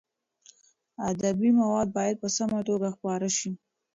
ادبي مواد باید په سمه توګه خپاره شي.